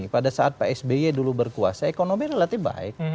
pada saat psby dulu berkuasa ekonomi relatif baik